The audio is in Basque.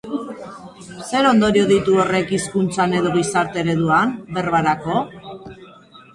Zer ondorio ditu horrek hizkuntzan edo gizarte ereduan, berbarako?